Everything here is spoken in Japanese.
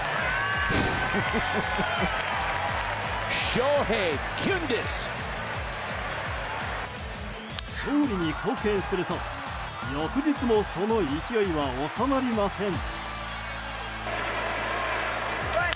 勝利に貢献すると翌日もその勢いは収まりません。